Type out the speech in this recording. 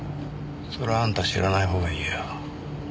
それはあんた知らない方がいいよ。